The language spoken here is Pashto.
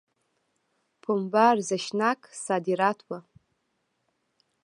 پنبه ارزښتناک صادرات وو.